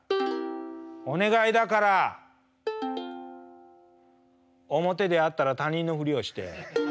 「お願いだから表で会ったら他人のふりをして」。